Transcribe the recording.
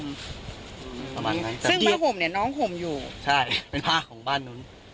ประมาณนั้นซึ่งผ้าห่มเนี่ยน้องห่มอยู่ใช่เป็นผ้าของบ้านนู้น